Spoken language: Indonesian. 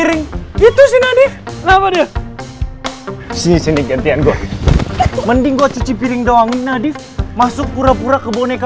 itu sih nanti si sini gantian gue mending gua cuci piring doang nadif masuk pura pura ke boneka